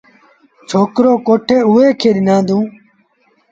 ڇوڪريٚ ڪوٺي اُئي کي ڏنآندون۔